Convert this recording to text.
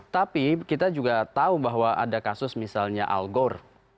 tapi kita juga tahu bahwa ada kasus misalnya algore